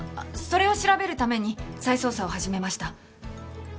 それを調べるために再捜査を始めました。